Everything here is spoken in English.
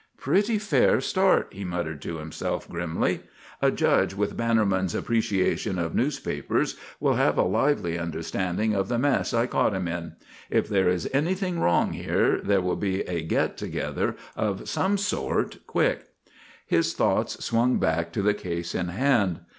"Pretty fair start," he muttered to himself, grimly. "A judge with Bannerman's appreciation of newspapers will have a lively understanding of the mess I caught him in. If there is anything wrong here, there will be a get together of some sort quick." His thoughts swung back to the case in hand.